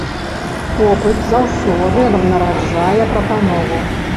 Попыт заўсёды нараджае прапанову.